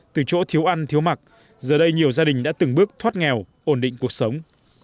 từ chỗ thiếu ăn thiếu mặc giờ đây nhiều gia đình đã từng bước thoát nghèo ổn định cuộc sống